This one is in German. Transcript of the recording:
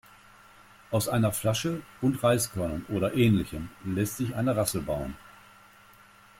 Aus einer Flasche und Reiskörnern oder Ähnlichem lässt sich eine Rassel bauen.